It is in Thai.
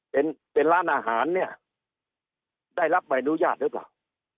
เป็นเป็นร้านอาหารเนี่ยได้รับใบอนุญาตหรือเปล่า